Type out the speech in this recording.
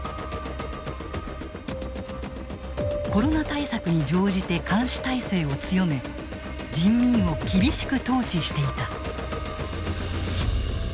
コロナ対策に乗じて監視体制を強め人民を厳しく統治していた。